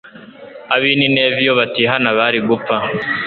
abinineve iyo batihana bari gupfa